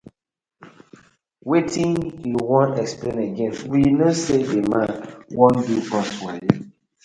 Wetin yu won explain again, we kno sey the man wan do us wayo.